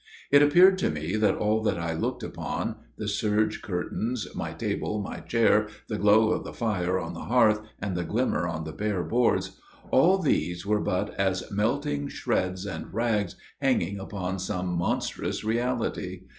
It appeared to me that all that I looked upon the serge curtains, my table, my chair, the glow of the fire on the hearth and the glimmer on the bare boards all these were but as melting shreds and rags hanging upon some monstrous reality.